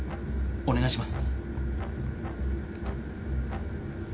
お願いします。